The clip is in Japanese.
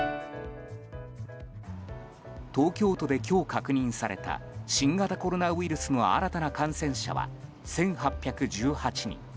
東京都で今日確認された新型コロナウイルスの新たな感染者は１８１８人。